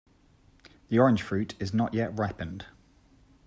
The orange fruit is not yet ripened.